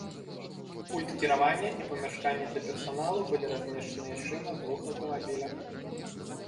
Пульт кіравання і памяшканні для персаналу былі размешчаны яшчэ на двух аўтамабілях.